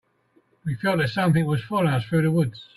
We felt that something was following us through the woods.